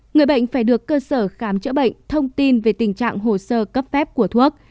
người bệnh phải được cơ sở khám chữa bệnh thông tin về tình trạng hồ sơ cấp phép của thuốc